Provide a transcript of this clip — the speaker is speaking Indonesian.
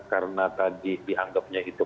karena tadi dianggapnya itu